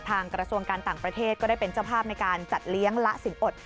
กระทรวงการต่างประเทศก็ได้เป็นเจ้าภาพในการจัดเลี้ยงละสินอด